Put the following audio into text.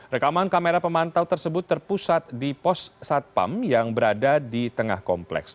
rekaman kamera pemantau tersebut terpusat di pos satpam yang berada di tengah kompleks